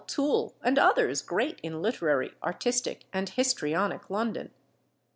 Toole, and others great in literary, artistic, and histrionic London.